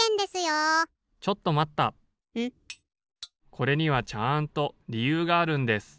・これにはちゃんとりゆうがあるんです。